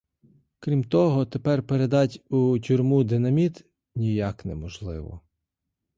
Крім того, тепер передать у тюрму динаміт ніяк неможливо.